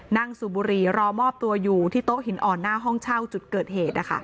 สูบบุหรี่รอมอบตัวอยู่ที่โต๊ะหินอ่อนหน้าห้องเช่าจุดเกิดเหตุ